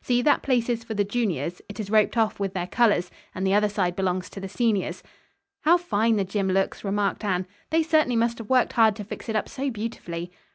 See, that place is for the juniors. It is roped off with their colors and the other side belongs to the seniors." "How fine the gym. looks," remarked Anne. "They certainly must have worked hard to fix it up so beautifully."